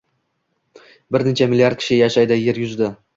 bir necha milliard kishi yashaydi yer yuzida.